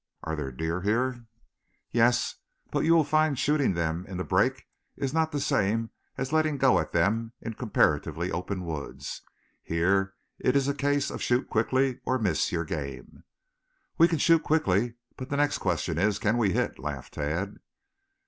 "Are there deer here?" "Yes, but you will find shooting them in the brake is not the same as letting go at them in comparatively open woods. Here, it is a case of shoot quickly or miss your game." "We can shoot quickly, but the next question is, can we hit?" laughed Tad.